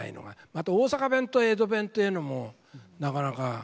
また大阪弁と江戸弁ってえのもなかなか。